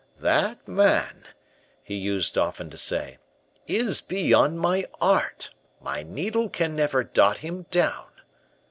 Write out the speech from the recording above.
"That man," he used often to say, "is beyond my art; my needle can never dot him down."